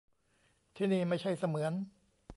ที่นี่ไม่ใช่เสมือน